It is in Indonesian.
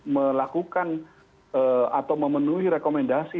melakukan atau memenuhi rekomendasi